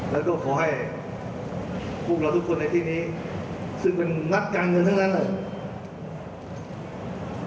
แล้วก็ขอให้พวกเราทุกคนในที่นี้ซึ่งเป็นนักการเงินทั้งนั้นแหละ